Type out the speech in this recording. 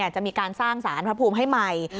จะมีการสร้างสารพระภูมิให้ใหม่